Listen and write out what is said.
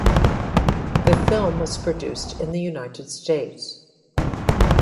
The film was produced in the United States.